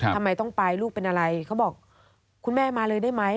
ทำไมต้องไปลูกเป็นอะไรเขาบอกคุณแม่มาเลยได้ไหม